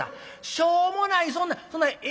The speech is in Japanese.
しょもないそんなそんな絵